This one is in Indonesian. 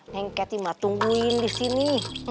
neng keti mah tungguin di sini